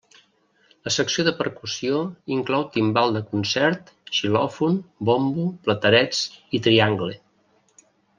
La secció de percussió inclou timbal de concert, xilòfon, bombo, platerets i triangle.